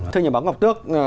thưa nhà báo ngọc tước